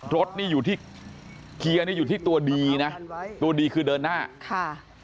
รถนี่อยู่ที่เกียร์นี่อยู่ที่ตัวดีนะตัวดีคือเดินหน้าค่ะ